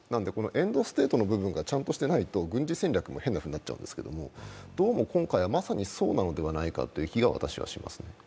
このエンドステートの部分がちゃんとしていないと、軍事戦略の部分も変なふうになっちゃうんですけど、どうも今回はまさにそうなのではないかという気が私はしますね。